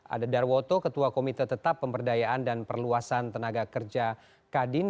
ada darwoto ketua komite tetap pemberdayaan dan perluasan tenaga kerja kadin